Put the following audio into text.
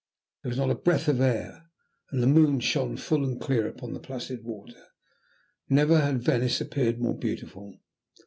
There was not a breath of air, and the moon shone full and clear upon the placid water. Never had Venice appeared more beautiful.